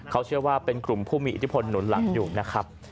เขาเชื่อว่าเป็นกลุ่มผู้มีอิทธิพลหนุนหลังอยู่นะครับ